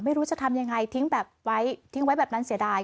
ไม่รู้จะทำยังไงทิ้งไว้แบบนั้นเสียดาย